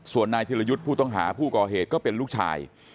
ส่วนนายธิรยุทธ์ผู้ต้องหาผู้ก่อเหตุก็เป็นลูกชาย